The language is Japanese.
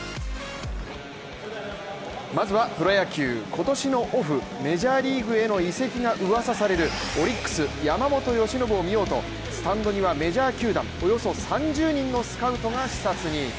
まずはプロ野球、今年のオフメジャーリーグへの移籍がうわさされるオリックス・山本由伸を見ようとスタンドにはメジャー球団およそ３０人のスカウトが視察に。